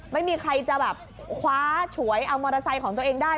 ไม่มีใครจะแบบคว้าฉวยเอามอเตอร์ไซค์ของตัวเองได้